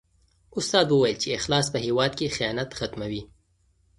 استاد وویل چې اخلاص په هېواد کې خیانت ختموي.